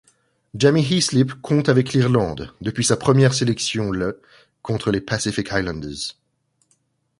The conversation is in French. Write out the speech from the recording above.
Jamie Heaslip compte avec l'Irlande depuis sa première sélection le contre les Pacific Islanders.